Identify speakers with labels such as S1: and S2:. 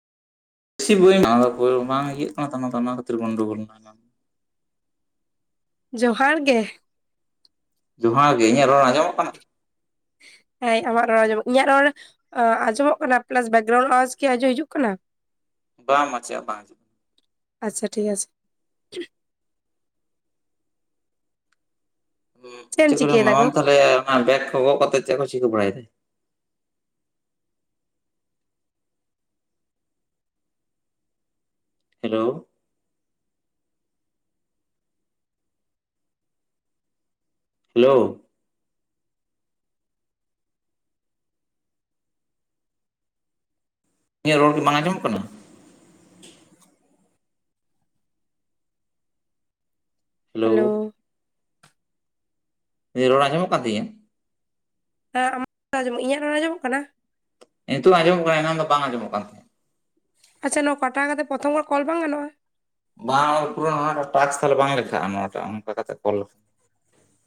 S1: ᱵᱮᱥ ᱵᱚ ᱵᱟᱝ ᱤᱭᱟᱹᱜ ᱠᱟᱱᱟ ᱛᱟᱢᱟ ᱚᱱᱟ ᱠᱷᱟᱹᱛᱤᱨ ᱵᱚᱱᱚᱲ ᱜᱚᱞᱮᱱᱟ᱾
S2: ᱡᱚᱦᱟᱨ ᱜᱮ
S1: ᱱᱚᱶᱟ ᱜᱮ ᱤᱧᱟᱹᱜ ᱨᱚᱲ ᱟᱡᱚᱢᱚᱜ ᱠᱟᱱᱟ᱾
S2: ᱦᱮᱸ ᱟᱢᱟᱜ ᱨᱚᱲ ᱟᱢᱚᱜ ᱤᱧᱟᱹᱜ ᱨᱚᱲ ᱟᱸᱡᱚᱢᱚᱜ ᱠᱟᱱᱟ ᱯᱞᱟᱥ ᱵᱮᱠᱜᱨᱟᱩᱱ ᱚᱣᱟᱡ ᱜᱮ ᱟᱸᱡᱚᱢ ᱦᱤᱡᱩᱜ ᱠᱟᱱᱟ᱾
S1: ᱵᱟᱝ ᱢᱟᱪᱮᱫᱼᱟ ᱵᱟᱝᱪᱮᱫ?
S2: ᱟᱪᱪᱷᱟ ᱴᱷᱤᱠ ᱟᱪᱷᱮ ᱮᱢ
S1: ᱪᱮᱫ
S2: ᱪᱤᱠᱟᱹᱭ ᱫᱟ ᱜᱚ
S1: ᱠᱚᱢ ᱛᱟᱦᱞᱮ ᱚᱱᱟ ᱵᱮᱜ ᱜᱚᱽ ᱠᱟᱛᱮ ᱪᱮᱫ ᱠᱚᱭ ᱪᱤᱠᱟᱹ ᱵᱟᱲᱟᱭᱫᱟᱭ ᱦᱮᱞᱳ ᱦᱮᱞᱳ ᱤᱧᱟᱹᱜ ᱨᱚᱲᱜ ᱠᱤ ᱵᱟᱝ ᱟᱸᱡᱚᱢᱚᱜ ᱠᱟᱱᱟ?
S2: ᱦᱮᱞᱳ
S1: ᱨᱚᱲ ᱟᱡᱚᱢᱚᱜ ᱠᱟᱱ ᱛᱤᱧᱟᱹ?
S2: ᱦᱮᱸ ᱟᱢᱟᱜᱸ ᱤᱧᱟᱹᱜ ᱱᱚ ᱟᱸᱡᱚᱢᱚᱜ ᱠᱟᱱᱟ?
S1: ᱱᱤᱛᱚᱜ ᱟᱸᱡᱚᱢᱚᱜ ᱠᱟᱱᱟ᱾ ᱮᱱᱟᱝ ᱫᱚ ᱵᱟᱝ ᱟᱸᱡᱚᱢᱚᱜ ᱠᱟᱱ ᱛᱟᱦᱮᱸᱫ᱾
S2: ᱟᱪᱪᱷᱟ ᱱᱚᱣᱟ ᱠᱟᱴᱟ ᱠᱟᱛᱮᱮᱫ ᱯᱨᱚᱛᱚᱢ ᱠᱷᱚᱱ ᱠᱚᱞ ᱵᱟᱝ ᱜᱟᱱᱚᱜᱼᱟ᱾
S1: ᱵᱟᱝ ᱯᱩᱨᱟᱹ ᱴᱟᱠᱥ ᱛᱟᱦᱮ ᱵᱟᱝ ᱞᱮᱠᱷᱟᱜᱼᱟ, ᱱᱚᱣᱟᱴᱟᱜ ᱚᱱᱠᱟ ᱠᱟᱛᱮᱫ ᱠᱚᱞ